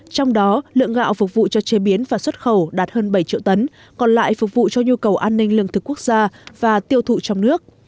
trong đó lượng gạo phục vụ cho chế biến và xuất khẩu đạt hơn bảy triệu tấn còn lại phục vụ cho nhu cầu an ninh lương thực quốc gia và tiêu thụ trong nước